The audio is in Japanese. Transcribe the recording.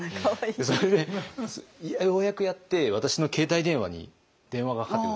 それでようやくやって私の携帯電話に電話がかかってくるんですよ。